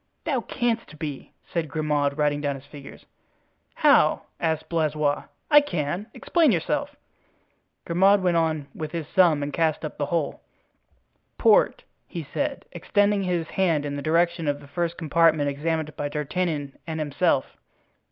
"Thou canst be," said Grimaud, writing down his figures. "How?" asked Blaisois, "I can? Explain yourself." Grimaud went on with his sum and cast up the whole. "Port," he said, extending his hand in the direction of the first compartment examined by D'Artagnan and himself.